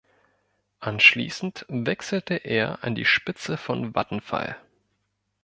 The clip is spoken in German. Anschließend wechselte er an die Spitze von Vattenfall.